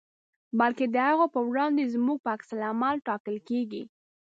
بلکې د هغو په وړاندې زموږ په عکس العمل ټاکل کېږي.